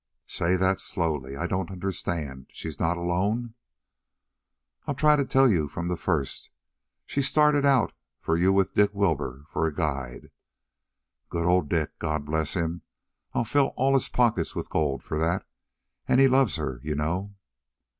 "Say that slowly. I don't understand. She's not alone?" "I'll try to tell you from the first. She started out for you with Dick Wilbur for a guide." "Good old Dick, God bless him! I'll fill all his pockets with gold for that; and he loves her, you know."